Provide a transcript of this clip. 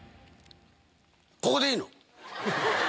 ここでいいの？